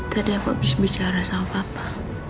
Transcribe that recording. tadi aku habis bicara sama papa